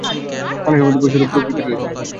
মানুষের মধ্যে পশুসুলভ প্রবৃত্তি রয়েছে।